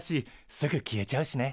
すぐ消えちゃうしね。